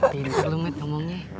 tidur dulu met ngomongnya